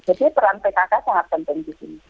jadi peran pkk sangat penting disini